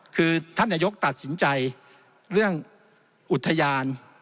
คือท่านนายกตัดสินใจเรื่องอุทยาน